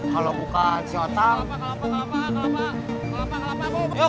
kalau bukan si otang